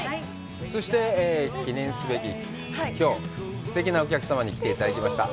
そして、記念すべききょう、すてきなお客様に来ていただきました。